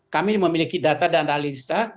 kami memiliki data dan analisa